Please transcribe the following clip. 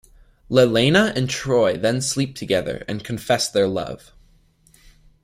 Lelaina and Troy then sleep together and confess their love.